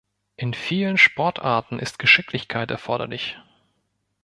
In vielen Sportarten ist Geschicklichkeit erforderlich.